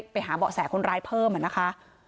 ไปหาเบาะแสคนร้ายเพิ่มนะคะ